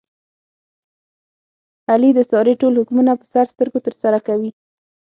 علي د سارې ټول حکمونه په سر سترګو ترسره کوي.